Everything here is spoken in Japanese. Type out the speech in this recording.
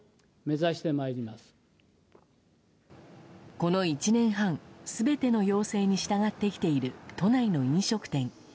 この１年半全ての要請に従ってきている都内の飲食店。